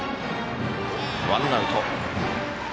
ワンアウト。